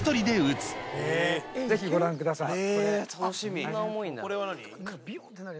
ぜひご覧ください。